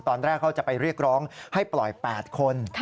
ตอนแรกเขาจะไปเรียกร้องให้ปล่อย๘คน